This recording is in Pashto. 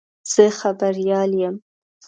زه خبریال یم.